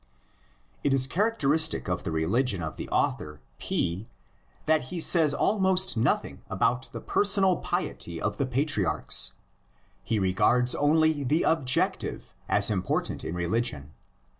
It is characteristic of the religion of the author P that he says almost nothing about the personal piety of the patriarchs; he regards only the objec tive as important in religion.